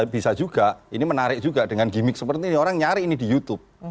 bisa juga ini menarik juga dengan gimmick seperti ini orang nyari ini di youtube